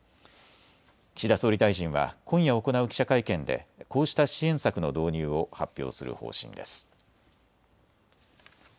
岸田総理大臣は今夜行う記者会見でこうした支援策の導入を発表する方針です。